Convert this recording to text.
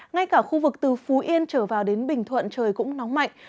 ngay cả khu vực từ phú yên trở vào đến bình thuận trời cũng nóng mạnh